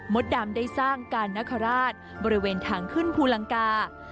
ดำได้สร้างการนคราชบริเวณทางขึ้นภูลังกา